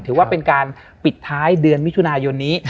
ถือว่าเป็นการปิดท้ายเดือนมิถุนายนนี้